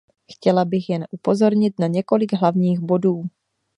Chtěla bych jen upozornit na několik hlavních bodů.